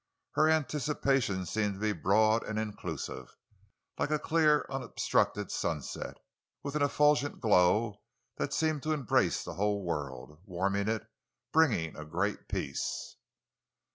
Her anticipations seemed to be broad and inclusive—like a clear, unobstructed sunset, with an effulgent glow that seemed to embrace the whole world, warming it, bringing a great peace.